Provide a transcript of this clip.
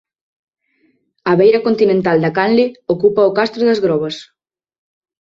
A beira continental da canle ocúpaa o Castro das Grobas.